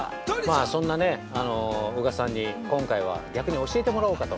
◆そんな宇賀さんに今回は逆に教えてもらおうかと。